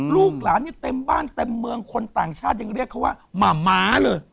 ลูกหลานเนี่ยเต็มบ้านเต็มเมืองคนต่างชาติยังเรียกเขาว่าหมาม้าเลย